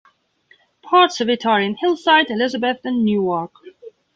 Parts of it are in Hillside, Elizabeth, and Newark.